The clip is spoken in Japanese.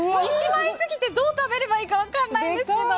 １枚すぎてどう食べればいいか分からないですけど。